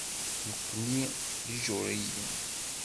Nekkni d Ijuṛiyen.